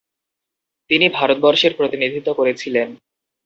তিনি ভারতবর্ষের প্রতিনিধিত্ব করেছিলেন।